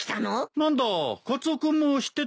何だカツオ君も知ってたのか。